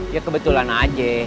ya kebetulan aja